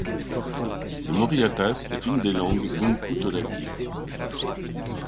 Le mori atas est une des langues bungku-tolaki.